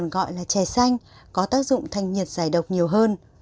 gọi là trà xanh có tác dụng thanh nhiệt giải độc nhiều hơn